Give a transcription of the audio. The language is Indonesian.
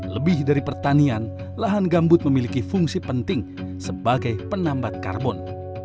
lebih dari pertanian lahan gambut memiliki fungsi penting sebagai penambat karbon